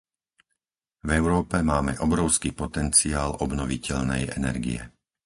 V Európe máme obrovský potenciál obnoviteľnej energie.